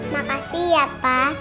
makasih ya pa